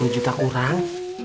sepuluh juta kurang